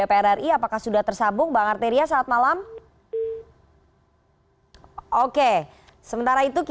jadi pelajaran berharga bagi ketua kpk